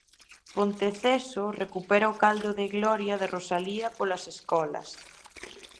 Pontececeso recupera o caldo de gloria de Rosalía polas escolas.